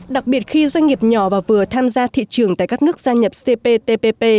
đặc biệt khi doanh nghiệp nhỏ và vừa tham gia thị trường tại các nước gia nhập cptpp